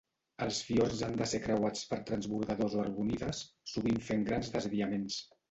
Els fiords han de ser creuats per transbordadors o arrodonides, sovint fent grans desviaments.